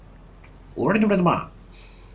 通常都係接二連三咁撚㗎